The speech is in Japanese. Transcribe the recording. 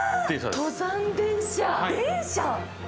登山電車・電車！？